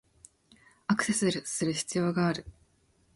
アクセスする必要がある